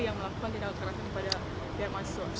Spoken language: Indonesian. yang melakukan tindakan operasi pada pihak mahasiswa